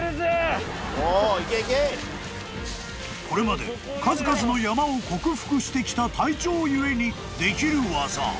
［これまで数々の山を克服してきた隊長ゆえにできる技］